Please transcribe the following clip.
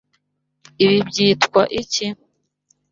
Ibi byitwa iki?